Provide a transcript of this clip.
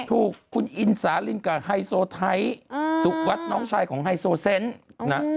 ถูกคุณอินสาลินกับไฮโซไทยสุวัสดิ์น้องชายของไฮโซเซนต์นะ